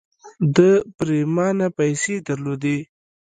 ده پرېمانه پيسې درلودې.